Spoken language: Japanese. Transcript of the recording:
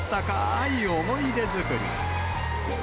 い思い出作り。